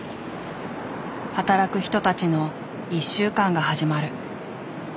働く人たちの一週間が始まる。